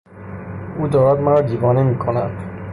او دارد مرا دیوانه میکند!